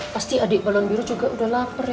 pasti adik balon biru juga udah lapar